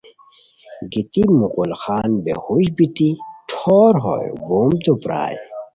گیتی مغل خان بے ہوݰ بیتی ٹھورہوئے، بومتو پرائے